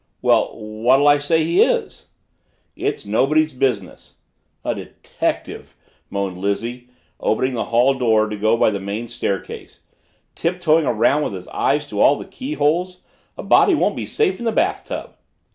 "Well, what'll I say he is?" "It's nobody's business." "A detective," moaned Lizzie, opening the hall door to go by the main staircase. "Tiptoeing around with his eye to all the keyholes. A body won't be safe in the bathtub."